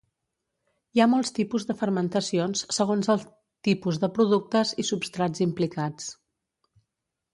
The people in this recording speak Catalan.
Hi ha molts tipus de fermentacions segons el tipus de productes i substrats implicats.